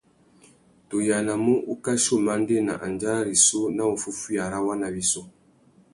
Tu yānamú ukachi umandēna andjara rissú nà wuffúffüiya râ waná wissú.